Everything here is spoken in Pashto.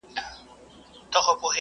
دا کار به هوا پاکه وساتي.